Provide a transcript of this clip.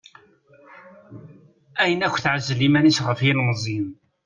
Ayen akk teɛzel iman-is ɣef yilmeẓyen.